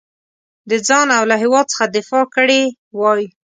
د ځان او له هیواد څخه دفاع کړې وای.